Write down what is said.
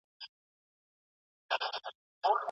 ایا دا فشار د ټولو کارکوونکو لپاره عام دی؟